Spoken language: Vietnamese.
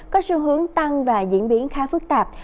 có xu hướng tăng và diễn biến khá phức tạp